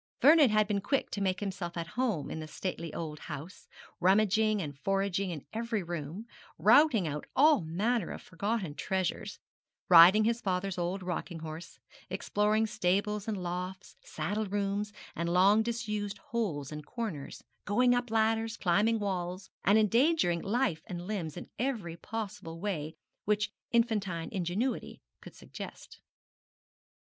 Vernon had been quick to make himself at home in the stately old house, rummaging and foraging in every room, routing out all manner of forgotten treasures, riding his father's old rocking horse, exploring stables and lofts, saddle rooms, and long disused holes and corners, going up ladders, climbing walls, and endangering life and limbs in every possible way which infantine ingenuity could suggest.